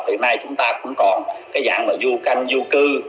hiện nay chúng ta cũng còn cái dạng là du canh du cư